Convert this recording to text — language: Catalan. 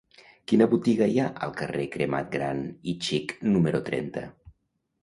Quina botiga hi ha al carrer Cremat Gran i Xic número trenta?